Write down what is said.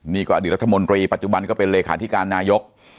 นี่ก็อดีตรัฐมนตรีปัจจุบันก็เป็นเลขาธิการนายก